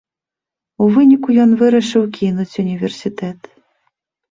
У выніку ён вырашыў кінуць універсітэт.